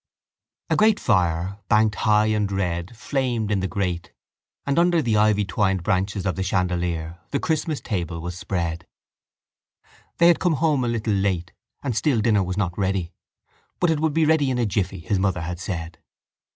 A great fire, banked high and red, flamed in the grate and under the ivytwined branches of the chandelier the Christmas table was spread. They had come home a little late and still dinner was not ready: but it would be ready in a jiffy, his mother had said.